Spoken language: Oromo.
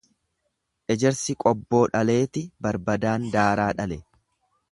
Ejersi qobboo dhaleeti barbadaan daaraa dhale.